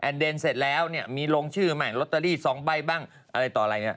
เดนเสร็จแล้วเนี่ยมีลงชื่อใหม่ลอตเตอรี่๒ใบบ้างอะไรต่ออะไรเนี่ย